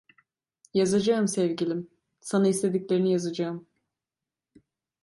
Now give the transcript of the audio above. Yazacağım sevgilim, sana istediklerini yazacağım!